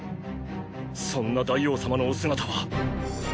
そんな大王様のお姿は。